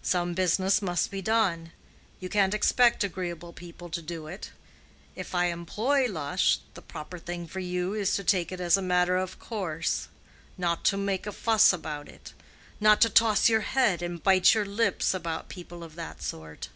Some business must be done. You can't expect agreeable people to do it. If I employ Lush, the proper thing for you is to take it as a matter of course. Not to make a fuss about it. Not to toss your head and bite your lips about people of that sort."